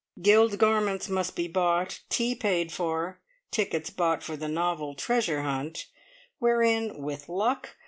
Guild garments must be bought; tea paid for; tickets bought for the novel Treasure Hunt, wherein with luck!